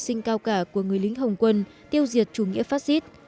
và sự hy sinh cao cả của người lính hồng quân tiêu diệt chủ nghĩa phát xít